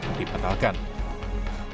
terkait dengan keputusan yang diperlukan